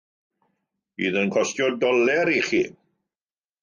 Bydd yn costio doler ichi.